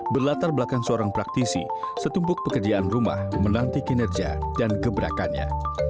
berlatar belakang seorang praktisi setumpuk pekerjaan rumah menanti kinerja dan gebrakannya